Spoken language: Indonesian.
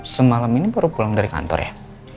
semalam ini baru pulang dari kantor ya